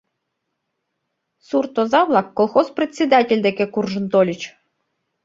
Сурт оза-влак колхоз председатель деке куржын тольыч.